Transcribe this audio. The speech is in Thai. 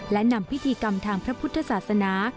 และนำพิธีกรรมทางพระพุทธศาสนา